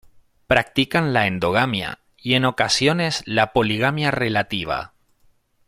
Practican la endogamia y en ocasiones la poligamia relativa.